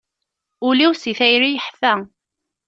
Ul-iw si tayri yeḥfa.